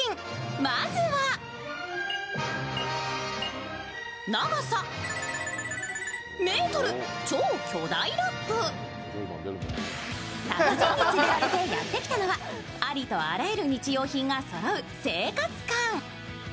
まずは達人に連れられてやってきたのはありとあらゆる日用品がそろう生活館。